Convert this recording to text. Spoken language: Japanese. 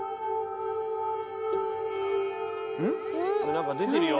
何か出てるよ。